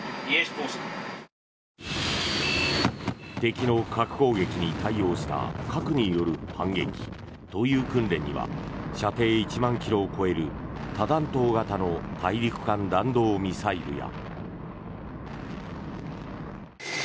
敵の核攻撃に対応した核による反撃という訓練には射程１万ｋｍを超える多弾頭型の大陸間弾道ミサイルや。